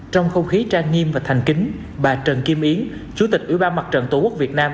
trong không khí trang nghiêm và thành kính bà trần kim yến chủ tịch ủy ban mặt trận tổ quốc việt nam